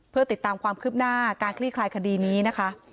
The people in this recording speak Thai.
เพื่อติดตามความคืบหน้าการคลี่คลายคดีนี้นะคะ